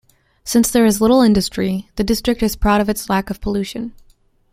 Since there is little industry, the district is proud of its lack of pollution.